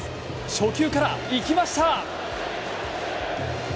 初球から行きました。